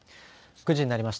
９時になりました。